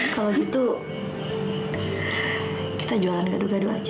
kalau gitu kita jualan gado gado aja